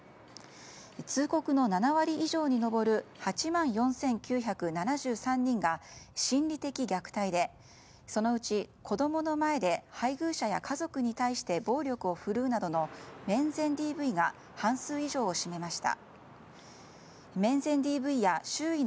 通告の７割以上に上る８万４９７３人が心理的虐待でそのうち、子供の前で配偶者や家族に対して暴力をふるうなどの面前ＤＶが半数以上を占めました。